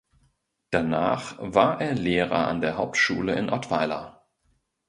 Danach war er Lehrer an der Hauptschule in Ottweiler.